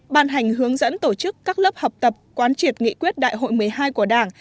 ban hành hướng dẫn tổ chức các lớp học tập quán triệt nghị quyết đại hội một mươi hai của đảng